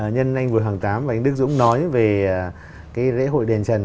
nhân anh vườn hoàng tám và anh đức dũng nói về cái lễ hội đền trần